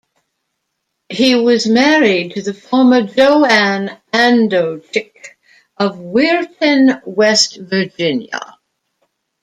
He was married to the former JoAnn Andochick of Weirton, West Virginia.